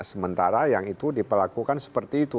sementara yang itu diperlakukan seperti itu